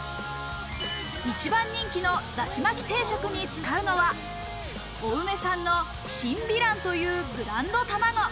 一番人気のだしまき定食に使うのは、青梅産の深美卵というブランド卵。